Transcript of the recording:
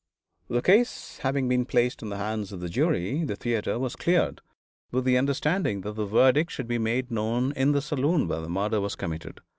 The case having been placed in the hands of the jury, the theatre was cleared, with the understanding that the verdict should be made known in the saloon where the murder was committed.